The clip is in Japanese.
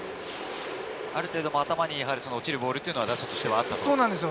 ある程度、頭に落ちるボールは打者としてはあったと。